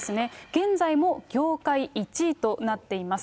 現在も業界１位となっています。